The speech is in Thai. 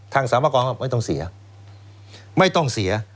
สามกรก็ไม่ต้องเสียไม่ต้องเสีย